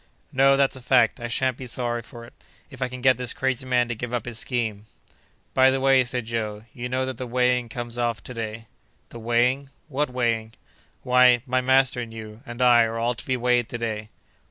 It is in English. "No, that's a fact, I shan't be sorry for it, if I can get this crazy man to give up his scheme." "By the way," said Joe, "you know that the weighing comes off to day." "The weighing—what weighing?" "Why, my master, and you, and I, are all to be weighed to day!"